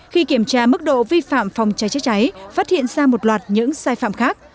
khi kiểm tra mức độ vi phạm phòng cháy chữa cháy phát hiện ra một loạt những sai phạm khác